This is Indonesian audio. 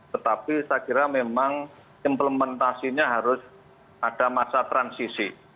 tetapi saya kira memang implementasinya harus ada masa transisi